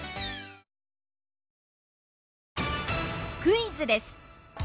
クイズです！